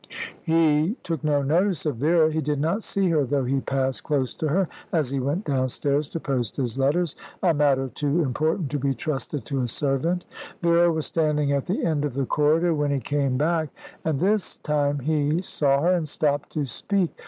He took no notice of Vera. He did not see her, though he passed close to her, as he went downstairs to post his letters a matter too important to be trusted to a servant. Vera was standing at the end of the corridor when he came back, and this time he saw her, and stopped to speak.